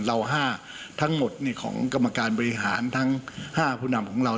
๕ทั้งหมดของกรรมการบริหารทั้ง๕ผู้นำของเรา